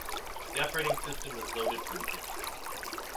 The operating system is loaded from disk.